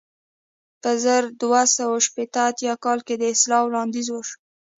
په زر دوه سوه شپږ اتیا کال کې د اصلاح وړاندیز وشو.